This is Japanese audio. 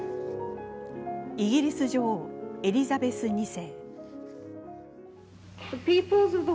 イギリス女王、エリザベス２世。